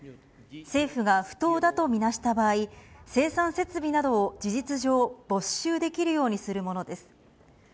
政府が不当だと見なした場合、生産設備などを事実上、没収できるようにするものです。